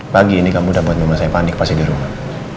pagi ini kamu udah buat rumah saya panik pas di rumah